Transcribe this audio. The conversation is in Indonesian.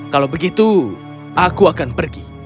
kalau begitu aku akan pergi